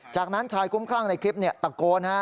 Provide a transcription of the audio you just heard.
จากนั้นชายคุ้มคลั่งในคลิปตะโกน